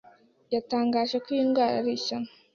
yatangaje ko iyi ndwara ari ishyano